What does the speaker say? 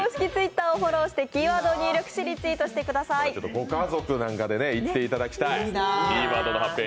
ご家族なんかで行っていただきたい。